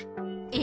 え！